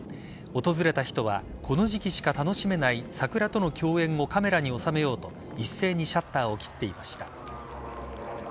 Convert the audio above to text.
訪れた人はこの時期しか楽しめない桜との共演をカメラに収めようと一斉にシャッターを切っていました。